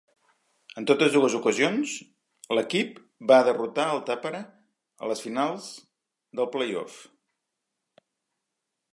En totes dues ocasions, l'equip va derrotar al Tappara a les finals de play-off.